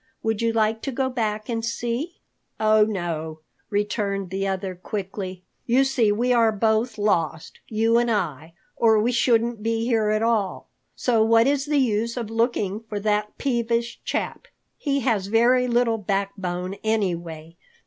Would you like to go back and see?" "Oh, no," returned the other quickly. "You see, we are both lost, you and I, or we shouldn't be here at all. So what is the use of looking for that peevish chap? He has very little backbone anyway.